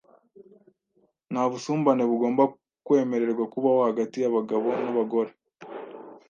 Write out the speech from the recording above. Nta busumbane bugomba kwemererwa kubaho hagati y'abagabo n'abagore.